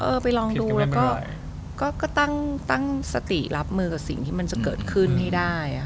ไปลองดูแล้วก็ตั้งสติรับมือกับสิ่งที่มันจะเกิดขึ้นให้ได้